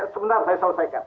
sebentar saya selesaikan